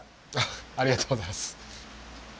ありがとうございます。